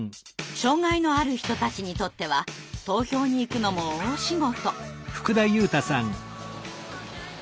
障害のある人たちにとっては投票に行くのも大仕事。